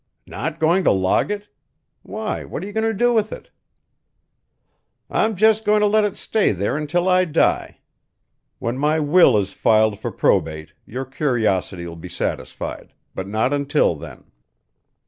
"Not going to log it? Why, what are you going to do with it?" "I'm just going to let it stay there until I die. When my will is filed for probate, your curiosity will be satisfied but not until then."